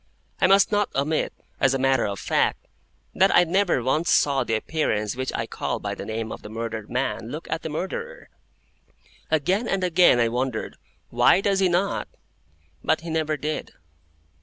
I must not omit, as a matter of fact, that I never once saw the Appearance which I call by the name of the murdered man look at the Murderer. Again and again I wondered, "Why does he not?" But he never did.